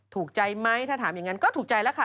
ถูกใจไหมถ้าถามอย่างนั้นก็ถูกใจแล้วค่ะ